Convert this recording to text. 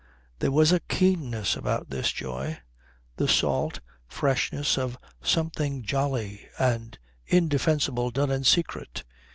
There was a keenness about this joy, the salt freshness of something jolly and indefensible done in secret.